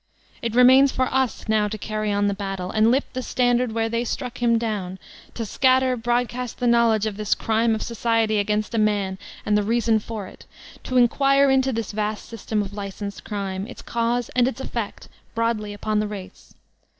It remains for us now to carry on the battle, and lift the standard where they struck him down, to scatter broadcast the knowledge of this crime of society against a man and the reason for it; to inquire into this vast system of licensed crime, its cause and its effect, broadly upon tiie race.